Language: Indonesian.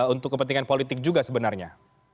untuk kepentingan politik juga sebenarnya